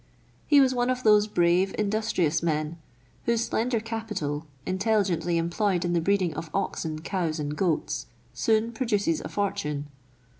He was one of those brave, industrious men, whose slender capital, intelli gently employed in the breeding of oxen, cows, and goats, soon produces a fortune.